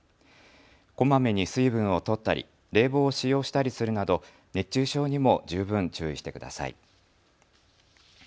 こまめに水分をとったり冷房を使用したりするなど熱中症にも十分注意してください。